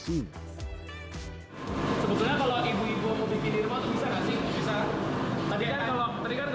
sebetulnya kalau ibu ibu mau bikin di rumah tuh bisa nggak sih